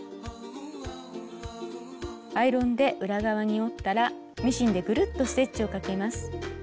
アイロンで裏側に折ったらミシンでぐるっとステッチをかけます。